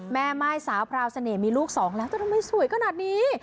แม่ม่ายสาวพราวเสน่ห์มีลูกสองแล้วจะทำไมสวยขนาดนี้